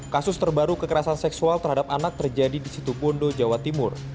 kasus terbaru kekerasan seksual terhadap anak terjadi di situ bondo jawa timur